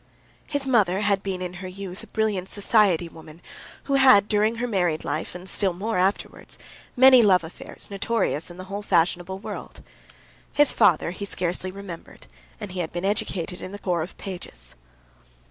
His mother had been in her youth a brilliant society woman, who had had during her married life, and still more afterwards, many love affairs notorious in the whole fashionable world. His father he scarcely remembered, and he had been educated in the Corps of Pages.